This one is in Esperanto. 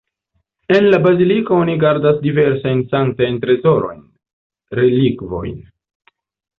En la baziliko oni gardas diversajn sanktajn trezorojn, relikvojn.